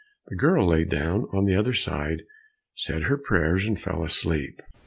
The girl lay down on the other, said her prayers, and fell asleep.